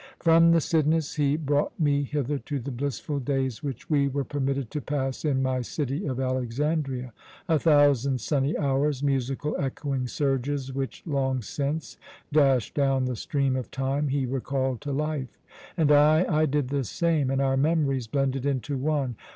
"From the Cydnus he brought me hither to the blissful days which we were permitted to pass in my city of Alexandria. A thousand sunny hours, musical, echoing surges which long since dashed down the stream of Time, he recalled to life, and I I did the same, and our memories blended into one.